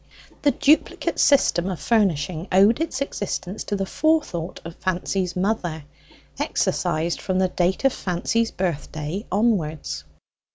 The duplicate system of furnishing owed its existence to the forethought of Fancy's mother, exercised from the date of Fancy's birthday onwards.